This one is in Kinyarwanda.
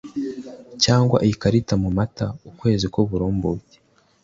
cyangwa iy'ikarita muri mata ukwezi k'uburumbuke